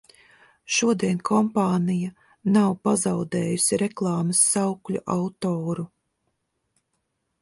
Šodien kompānija nav pazaudējusi reklāmas saukļu autoru.